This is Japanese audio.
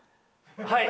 はい。